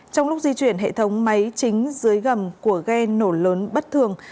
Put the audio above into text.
trong lúc di chuyển hệ thống máy chính dưới gầm của ghe nổ lớn bất thường